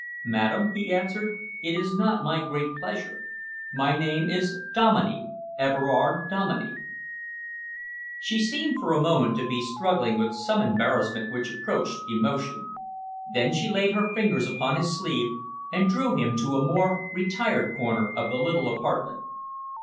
"Madam," he answered, "it is not my great pleasure. My name is Dominey Everard Dominey." She seemed for a moment to be struggling with some embarrassment which approached emotion. Then she laid her fingers upon his sleeve and drew him to a more retired corner of the little apartment.